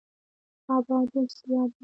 اباد اوسي اباد